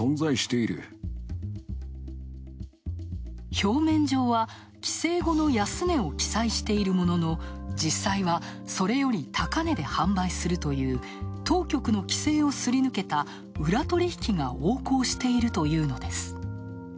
表面上は、規制後の安値を記載しているものの、実際はそれより高値で販売するという当局の規制をすり抜けた裏取引が横行しているというのです。